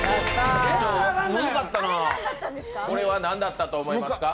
これは何だったと思いますか？